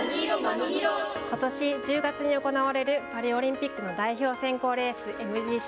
ことし１０月に行われるパリオリンピックの代表選考レース、ＭＧＣ。